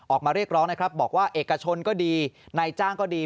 ออกมาเรียกร้องนะครับบอกว่าเอกชนก็ดีนายจ้างก็ดี